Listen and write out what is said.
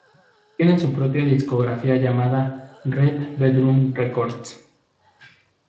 Tiene su propia discográfica llamada "Red Bedroom Records".